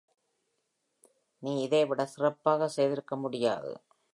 நீ இதைவிட சிறப்பாக செய்திருக்க முடியாது.